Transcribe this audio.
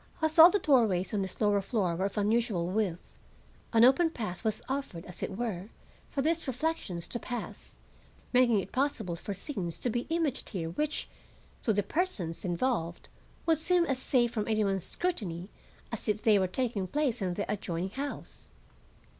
As all the doorways on this lower floor were of unusual width, an open path was offered, as it were, for these reflections to pass, making it possible for scenes to be imaged here which, to the persons involved, would seem as safe from any one's scrutiny as if they were taking place in the adjoining house.